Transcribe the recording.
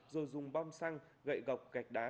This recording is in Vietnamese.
rồi dùng bom xăng gậy gọc gạch đá